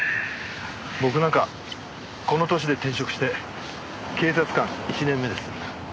僕なんかこの年で転職して警察官１年目です。